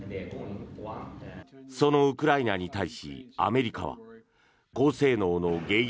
そのウクライナに対しアメリカは高性能の迎撃